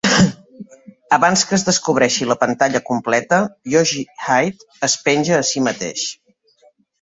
Abans que es descobreixi la pantalla completa, Yoshihide es penja a si mateix.